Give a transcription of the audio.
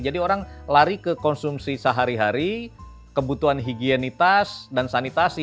jadi orang lari ke konsumsi sehari hari kebutuhan higienitas dan sanitasi